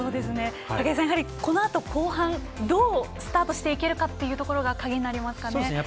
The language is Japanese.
武井さん、このあと後半どうスタートしていけるかが鍵になりますかね。